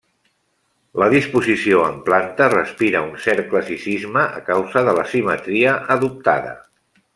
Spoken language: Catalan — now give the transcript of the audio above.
La disposició en planta respira un cert classicisme, a causa de la simetria adoptada.